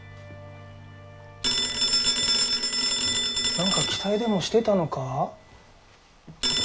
何か期待でもしてたのか？